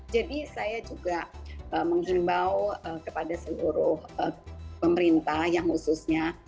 jadi saya juga menghimbau kepada seluruh pemerintah yang khususnya